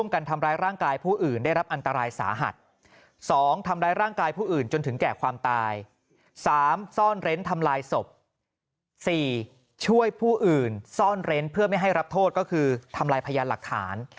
ก็คือทำลายพยานหลักฐาน